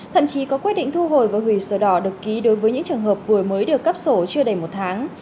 thậm chí có quyết định thu hồi và hủy sổ đỏ được ký đối với những trường hợp vừa mới được cấp sổ chưa đầy một tháng